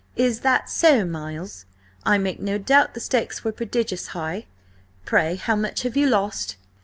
"Is that so, Miles? I make no doubt the stakes were prodigious high? Pray, how much have you lost?"